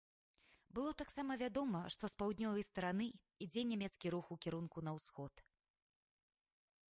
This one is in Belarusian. Было таксама вядома, што з паўднёвай стараны ідзе нямецкі рух у кірунку на ўсход.